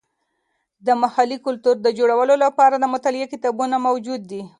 د محلي کلتور د جوتولو لپاره د مطالعې کتابونه موجود دي.